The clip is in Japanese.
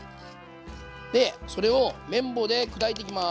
でそれを麺棒で砕いていきます。